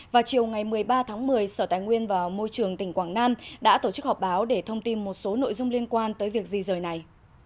vào chiều ngày một mươi ba tháng một mươi sở tài nguyên và môi trường tỉnh quảng nam đã tổ chức họp báo để thông tin một số nội dung liên quan tới việc di rời này